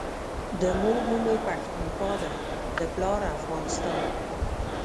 دمور نوم يی پښتونخوا دی دپلار افغانستان